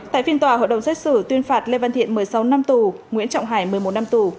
tại phiên tòa hội đồng xét xử tuyên phạt lê văn thiện một mươi sáu năm tù nguyễn trọng hải một mươi một năm tù